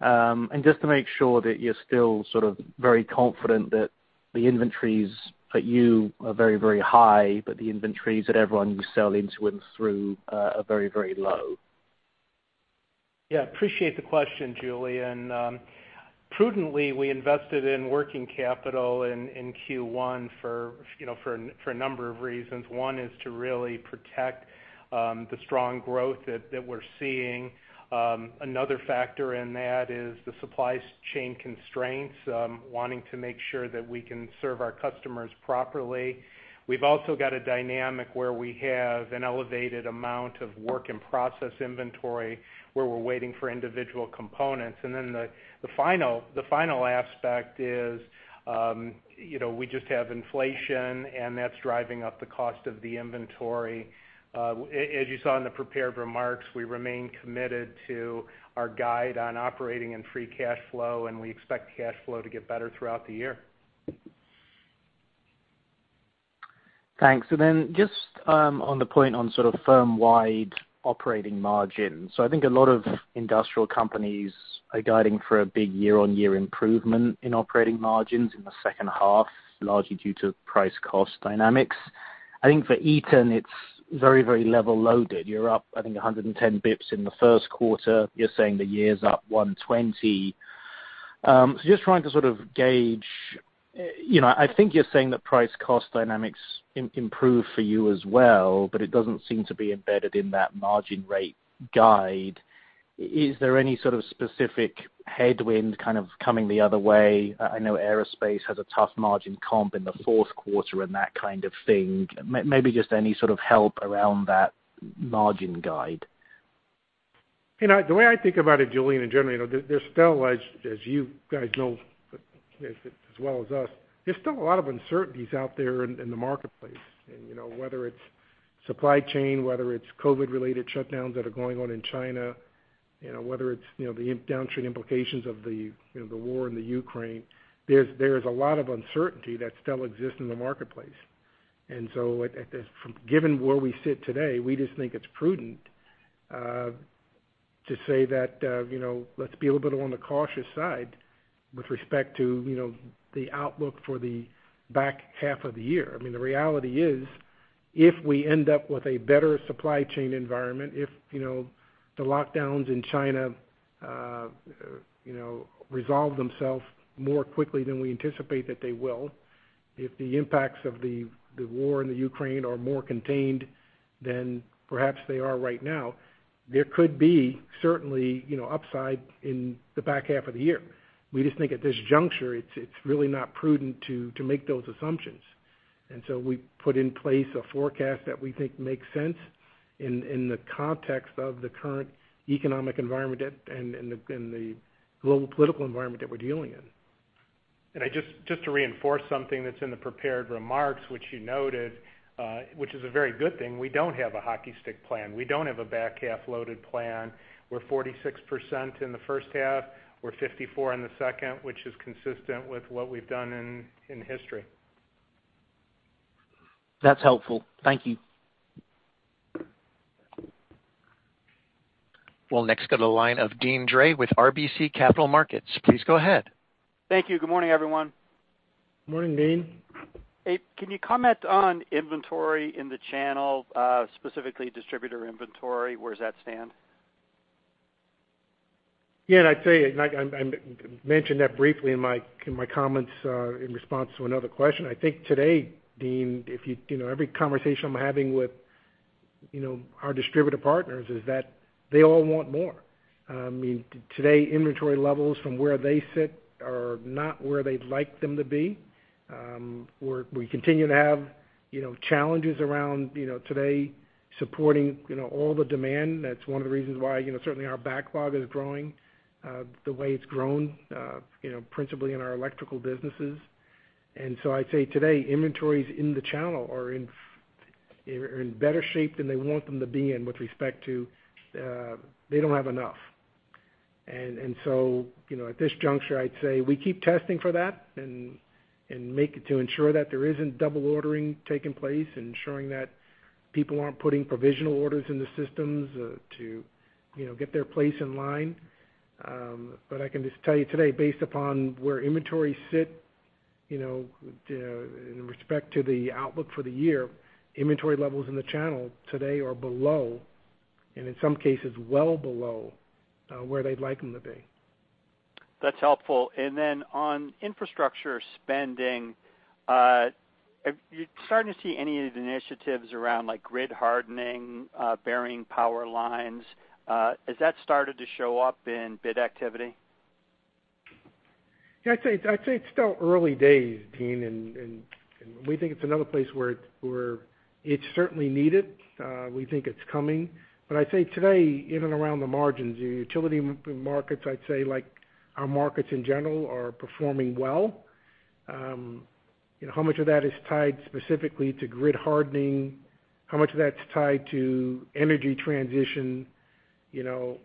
Just to make sure that you're still sort of very confident that the inventories at Eaton are very, very high, but the inventories that everyone you sell into and through are very, very low. Yeah. Appreciate the question, Julian. Prudently, we invested in working capital in Q1 for a number of reasons. One is to really protect the strong growth that we're seeing. Another factor in that is the supply chain constraints, wanting to make sure that we can serve our customers properly. We've also got a dynamic where we have an elevated amount of work in process inventory, where we're waiting for individual components. Then the final aspect is, you know, we just have inflation, and that's driving up the cost of the inventory. As you saw in the prepared remarks, we remain committed to our guide on operating and free cash flow, and we expect cash flow to get better throughout the year. Thanks. Then just on the point on sort of firm-wide operating margins. I think a lot of industrial companies are guiding for a big year-on-year improvement in operating margins in the second half, largely due to price cost dynamics. I think for Eaton, it's very, very level loaded. You're up, I think, 110 basis points in the first quarter. You're saying the year's up 120. Just trying to sort of gauge, you know, I think you're saying that price cost dynamics improve for you as well, but it doesn't seem to be embedded in that margin rate guide. Is there any sort of specific headwind kind of coming the other way? I know Aerospace has a tough margin comp in the fourth quarter and that kind of thing. Maybe just any sort of help around that margin guide? You know, the way I think about it, Julian, and generally, you know, there's still a lot of uncertainties out there in the marketplace, as you guys know as well as us. You know, whether it's supply chain, whether it's COVID-related shutdowns that are going on in China, you know, whether it's the downstream implications of the war in Ukraine, there's a lot of uncertainty that still exists in the marketplace. Given where we sit today, we just think it's prudent to say that, you know, let's be a little bit on the cautious side with respect to the outlook for the back half of the year. I mean, the reality is, if we end up with a better supply chain environment, if, you know, the lockdowns in China, you know, resolve themselves more quickly than we anticipate that they will, if the impacts of the war in the Ukraine are more contained than perhaps they are right now, there could be certainly, you know, upside in the back half of the year. We just think at this juncture, it's really not prudent to make those assumptions. We put in place a forecast that we think makes sense in the context of the current economic environment and the global political environment that we're dealing in. I just to reinforce something that's in the prepared remarks, which you noted, which is a very good thing, we don't have a hockey stick plan. We don't have a back half loaded plan. We're 46% in the first half. We're 54% in the second, which is consistent with what we've done in history. That's helpful. Thank you. We'll next go to the line of Deane Dray with RBC Capital Markets. Please go ahead. Thank you. Good morning, everyone. Morning, Deane. Can you comment on inventory in the channel, specifically distributor inventory? Where does that stand? I'd say, like I mentioned that briefly in my comments in response to another question. I think today, Deane, if you know, every conversation I'm having with you know, our distributor partners is that they all want more. I mean, today, inventory levels from where they sit are not where they'd like them to be. We continue to have you know, challenges around you know, today supporting you know, all the demand. That's one of the reasons why you know, certainly our backlog is growing the way it's grown you know, principally in our electrical businesses. I'd say today, inventories in the channel are in better shape than they want them to be in with respect to they don't have enough. You know, at this juncture, I'd say we keep testing for that and make sure to ensure that there isn't double ordering taking place and ensuring that people aren't putting provisional orders in the systems, to you know, get their place in line. I can just tell you today, based upon where inventories sit, you know, in respect to the outlook for the year, inventory levels in the channel today are below, and in some cases, well below, where they'd like them to be. That's helpful. On infrastructure spending, are you starting to see any of the initiatives around like grid hardening, burying power lines? Has that started to show up in bid activity? Yeah, I'd say it's still early days, Deane, and we think it's another place where it's certainly needed. We think it's coming. I'd say today, in and around the margins, the utility markets, I'd say, like our markets in general, are performing well. You know, how much of that is tied specifically to grid hardening, how much of that's tied to energy transition, you know,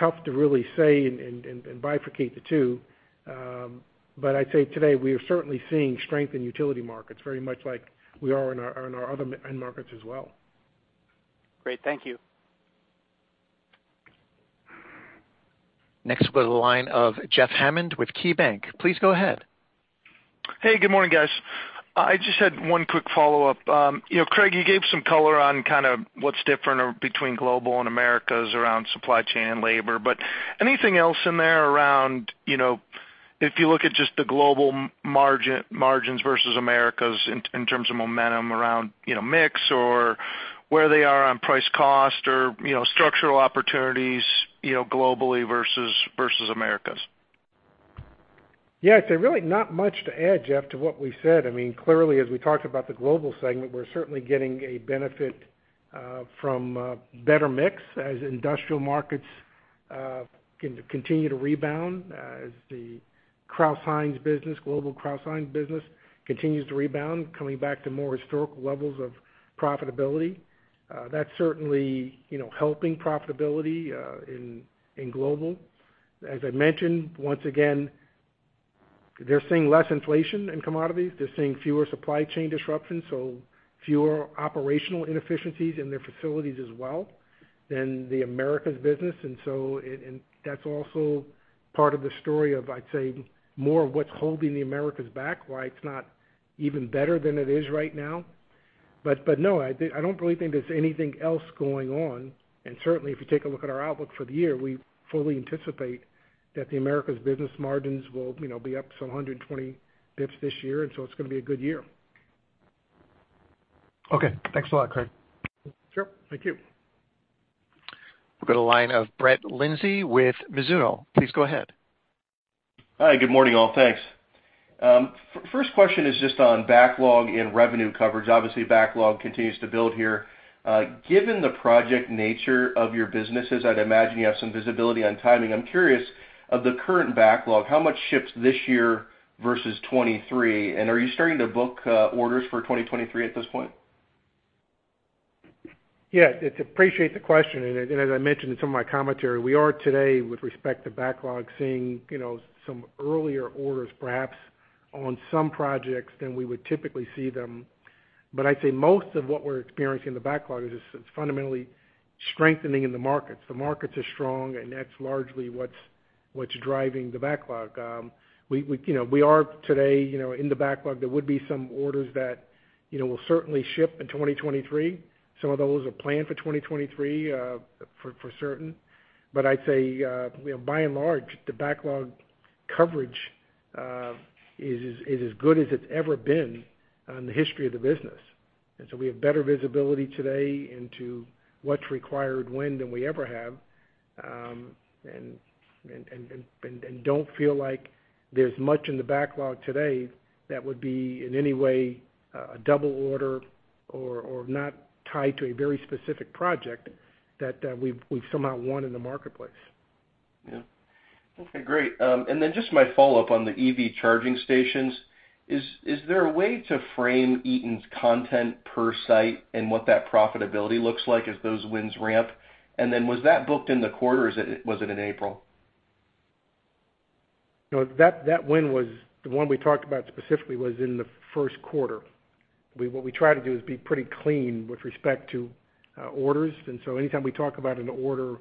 tough to really say and bifurcate the two. I'd say today, we are certainly seeing strength in utility markets very much like we are in our other end markets as well. Great. Thank you. Next, we'll go to the line of Jeffrey Hammond with KeyBanc. Please go ahead. Hey, good morning, guys. I just had one quick follow-up. You know, Craig, you gave some color on kind of what's different or between Global and Americas around supply chain and labor. Anything else in there around, you know, if you look at just the Global margin, margins versus Americas in terms of momentum around, you know, mix or where they are on price cost or, you know, structural opportunities, you know, globally versus Americas? Yeah. I'd say really not much to add, Jeff, to what we said. I mean, clearly, as we talked about the Global segment, we're certainly getting a benefit from better mix as industrial markets continue to rebound, as the Crouse-Hinds business, global Crouse-Hinds business continues to rebound, coming back to more historical levels of profitability. That's certainly, you know, helping profitability in Global. As I mentioned, once again, they're seeing less inflation in commodities. They're seeing fewer supply chain disruptions, so fewer operational inefficiencies in their facilities as well in the Americas business. And that's also part of the story of, I'd say, more of what's holding the Americas back, why it's not even better than it is right now. But no, I don't really think there's anything else going on. Certainly, if you take a look at our outlook for the year, we fully anticipate that the Americas business margins will, you know, be up some 120 basis points this year, and so it's gonna be a good year. Okay. Thanks a lot, Craig. Sure. Thank you. We've got a line of Brett Linzey with Mizuho. Please go ahead. Hi. Good morning, all. Thanks. First question is just on backlog and revenue coverage. Obviously, backlog continues to build here. Given the project nature of your businesses, I'd imagine you have some visibility on timing. I'm curious, of the current backlog, how much ships this year versus 2023? And are you starting to book orders for 2023 at this point? Yeah. I appreciate the question. As I mentioned in some of my commentary, we are today, with respect to backlog, seeing you know some earlier orders perhaps on some projects than we would typically see them. I'd say most of what we're experiencing in the backlog is fundamentally strengthening in the markets. The markets are strong, and that's largely what's driving the backlog. We, you know, are today, you know, in the backlog, there would be some orders that, you know, will certainly ship in 2023. Some of those are planned for 2023, for certain. I'd say, you know, by and large, the backlog coverage is as good as it's ever been in the history of the business. We have better visibility today into what's required when than we ever have, and don't feel like there's much in the backlog today that would be, in any way, a double order or not tied to a very specific project that we've somehow won in the marketplace. Yeah. Okay. Great. Just my follow-up on the EV charging stations. Is there a way to frame Eaton's content per site and what that profitability looks like as those wins ramp? Was that booked in the quarter, or was it in April? No. That win was the one we talked about specifically in the first quarter. What we try to do is be pretty clean with respect to orders. Anytime we talk about an order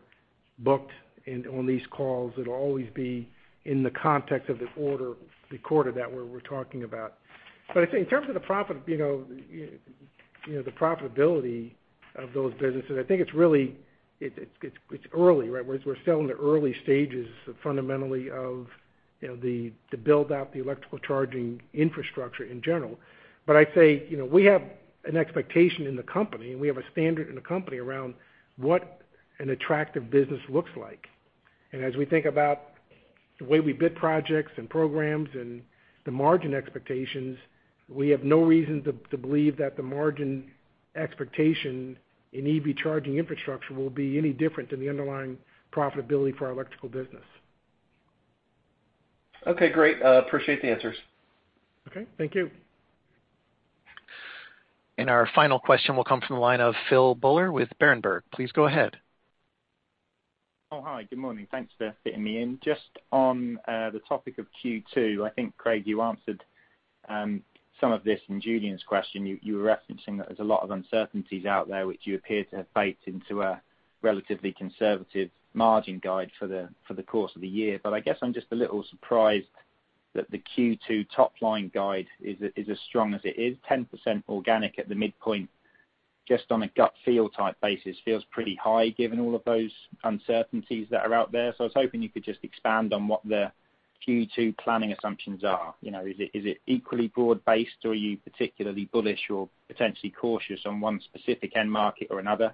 booked in on these calls, it'll always be in the context of the order, the quarter that we're talking about. I'd say in terms of the profit, you know, the profitability of those businesses, I think it's really early, right? We're still in the early stages fundamentally of you know to build out the electrical charging infrastructure in general. I'd say, you know, we have an expectation in the company, and we have a standard in the company around what an attractive business looks like. As we think about the way we bid projects and programs and the margin expectations, we have no reason to believe that the margin expectation in EV charging infrastructure will be any different than the underlying profitability for our electrical business. Okay. Great. Appreciate the answers. Okay. Thank you. Our final question will come from the line of Philip Buller with Berenberg. Please go ahead. Oh, hi. Good morning. Thanks for fitting me in. Just on the topic of Q2, I think, Craig, you answered some of this in Julian's question. You were referencing that there's a lot of uncertainties out there, which you appear to have baked into a relatively conservative margin guide for the course of the year. I guess I'm just a little surprised that the Q2 top line guide is as strong as it is, 10% organic at the midpoint, just on a gut feel type basis, feels pretty high given all of those uncertainties that are out there. I was hoping you could just expand on what the Q2 planning assumptions are. You know, is it equally broad-based, or are you particularly bullish or potentially cautious on one specific end market or another,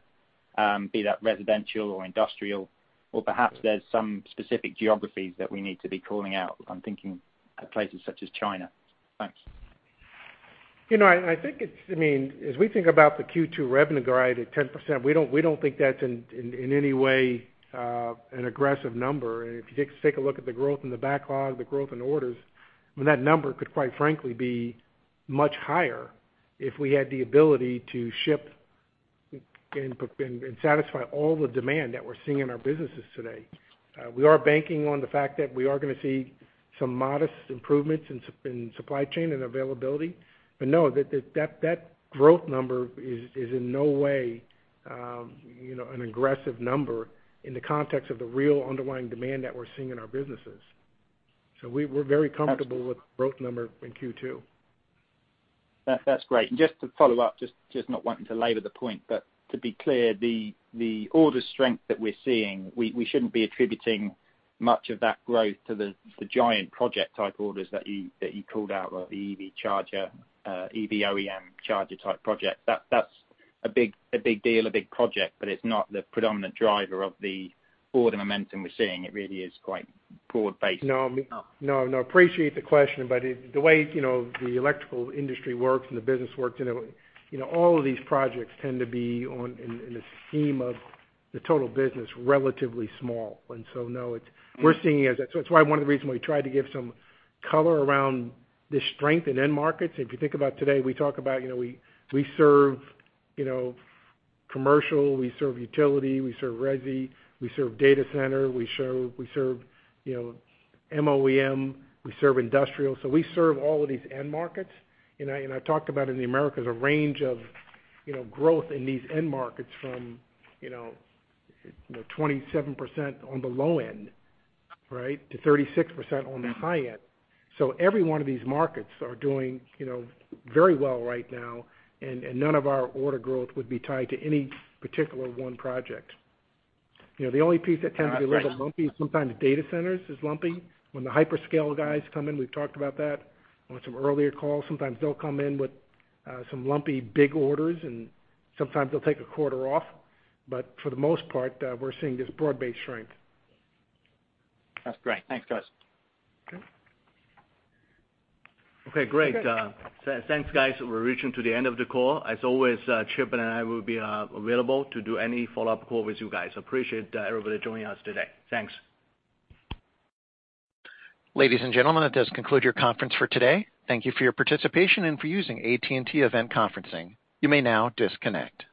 be that residential or industrial? Or perhaps there's some specific geographies that we need to be calling out. I'm thinking of places such as China. Thanks. You know, and I think it's, I mean, as we think about the Q2 revenue guide at 10%, we don't think that's in any way an aggressive number. If you take a look at the growth in the backlog, the growth in orders, I mean, that number could quite frankly be much higher if we had the ability to ship and satisfy all the demand that we're seeing in our businesses today. We are banking on the fact that we are gonna see some modest improvements in supply chain and availability. No, that growth number is in no way, you know, an aggressive number in the context of the real underlying demand that we're seeing in our businesses. We're very comfortable. Absolutely with the growth number in Q2. That's great. Just to follow up, not wanting to labor the point, but to be clear, the order strength that we're seeing, we shouldn't be attributing much of that growth to the giant project type orders that you called out, like the EV charger, EV OEM charger type project. That's a big deal, a big project, but it's not the predominant driver of the order momentum we're seeing. It really is quite broad-based. No, no. Appreciate the question, but the way, you know, the electrical industry works and the business works, you know, all of these projects tend to be in the scheme of the total business, relatively small. No, we're seeing it as. That's why one of the reasons we tried to give some color around the strength in end markets. If you think about today, we talk about, you know, we serve, you know, commercial, we serve utility, we serve resi, we serve data center, we serve, you know, OEM, we serve industrial. We serve all of these end markets. I talked about in the Americas, a range of, you know, growth in these end markets from, you know, the 27% on the low end, right, to 36% on the high end. Every one of these markets are doing, you know, very well right now, and none of our order growth would be tied to any particular one project. You know, the only piece that tends to be a little lumpy, sometimes data centers is lumpy. When the hyperscale guys come in, we've talked about that on some earlier calls. Sometimes they'll come in with some lumpy big orders, and sometimes they'll take a quarter off. For the most part, we're seeing this broad-based strength. That's great. Thanks, guys. Okay. Okay, great. Thanks, guys. We're reaching the end of the call. As always, Chip and I will be available to do any follow-up call with you guys. Appreciate everybody joining us today. Thanks. Ladies and gentlemen, that does conclude your conference for today. Thank you for your participation and for using AT&T Event Conferencing. You may now disconnect.